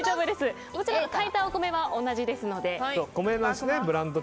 どちらも炊いたお米は同じですので。